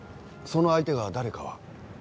その相手が誰かは？